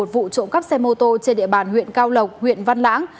một mươi một vụ trộm cắp xe mô tô trên địa bàn huyện cao lộc huyện văn lãng